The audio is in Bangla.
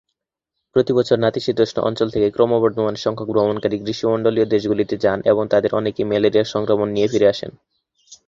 প্রতি বছর নাতিশীতোষ্ণ অঞ্চল থেকে ক্রমবর্ধমান সংখ্যক ভ্রমণকারী গ্রীষ্মমন্ডলীয় দেশগুলিতে যান এবং তাদের অনেকেই ম্যালেরিয়া সংক্রমণ নিয়ে ফিরে আসেন।